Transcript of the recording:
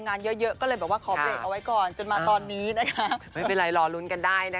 น่ารักมาก